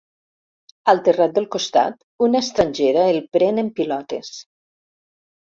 Al terrat del costat una estrangera el pren en pilotes.